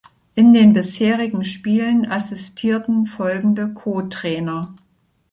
In den bisherigen Spielen assistierten folgende Co-Trainer.